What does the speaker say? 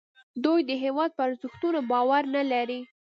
دی د هیواد په ارزښتونو باور نه لري